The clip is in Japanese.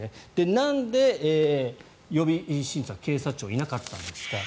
なんで、予備審査は警察庁いなかったんですか。